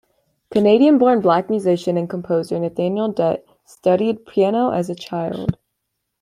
Canadian-born Black musician and composer Nathaniel Dett studied piano as a child.